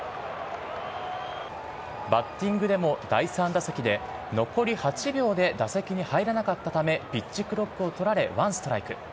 バッティングでも第３打席で残り８秒で打席に入らなかったためピッチ・クロックを取られ１ストライク。